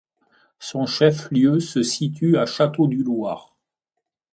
Son chef-lieu se situe à Château-du-Loir.